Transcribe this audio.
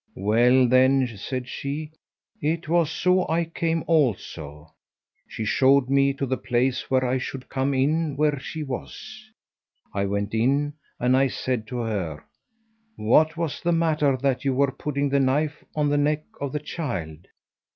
'Well then,' said she, 'it was so I came also.' She showed me to the place where I should come in where she was. I went in, and I said to her, 'What was the matter that you were putting the knife on the neck of the child?'